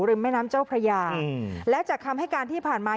แม่น้ำเจ้าพระยาและจากคำให้การที่ผ่านมา